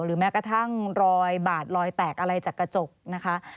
แม้กระทั่งรอยบาดรอยแตกอะไรจากกระจกนะคะ